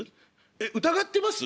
「えっ疑ってます？